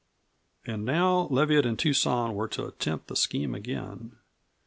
And now Leviatt and Tucson were to attempt the scheme again.